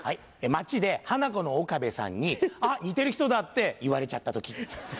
街でハナコの岡部さんに「あっ！似てる人だ」って言われちゃった時。